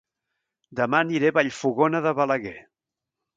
Dema aniré a Vallfogona de Balaguer